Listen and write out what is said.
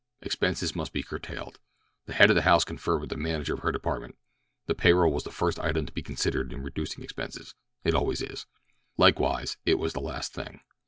Expenses must be curtailed. The head of the house conferred with the manager of her department. The pay roll was the first item to be considered in reducing expenses—it always is. Likewise it was the last thing.